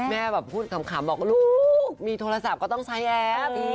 แม่แบบพูดขำบอกลูกมีโทรศัพท์ก็ต้องใช้แอป